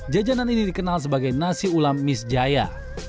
jajanan ini dikenal sebagai nasi ulam misjaya